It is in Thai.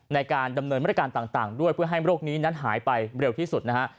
ในการดำเนินมาตรการต่างด้วยเพื่อให้โรคนี้นั้นหายไปเร็วที่สุดนะฮะ